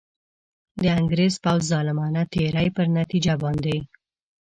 د انګرېز پوځ ظالمانه تېري پر نتیجه باندي.